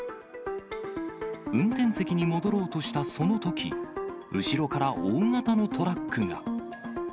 運転席に戻ろうとしたそのとき、後ろから大型のトラックが。